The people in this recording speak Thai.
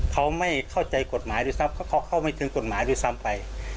เขาไม่เข้าใจกฎหมายด้วยซ้ำเพราะเขาเข้าไม่ถึงกฎหมายด้วยซ้ำไป